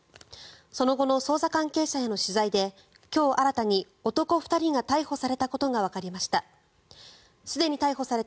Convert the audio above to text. その後の捜査関係者への取材で今日新たに男２人が逮捕されたことがわかりました。